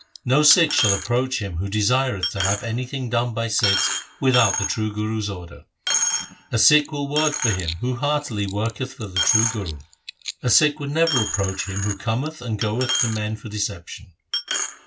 No Sikh shall approach him who desireth to have any thing done by Sikhs without the true Guru's order. A Sikh will work for him who heartily worketh for the true Guru. A Sikh would never approach him who cometh and goeth to men for deception.